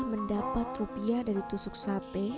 mendapat rupiah dari tusuk sate